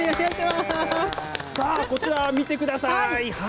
こちら、見てください。